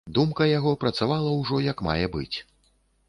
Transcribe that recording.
Думка яго працавала ўжо як мае быць.